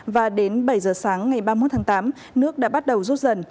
và đến bảy giờ sáng ngày ba mươi một tháng tám nước đã bắt đầu rút dần